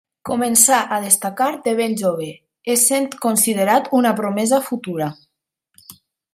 Començà a destacar de ben jove, essent considerat una promesa futura.